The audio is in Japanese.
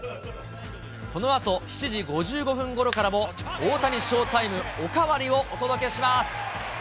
このあと、７時５５分ごろからも大谷ショータイムおかわり！をお届けします。